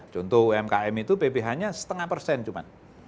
contoh umkm itu pph nya setengah persen cuma